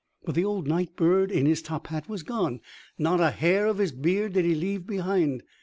But the old night bird in his top hat was gone. Not a hair of his beard did he leave behind.